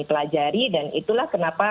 pelajari dan itulah kenapa